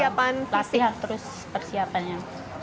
ya latihan terus persiapannya